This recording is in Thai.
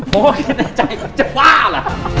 เพราะว่าคิดในใจจะว่าหรอ